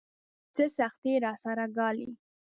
څه سختۍ راسره ګالي.